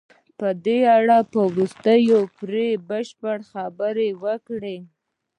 په دې اړه به وروسته پرې بشپړې خبرې وکړو.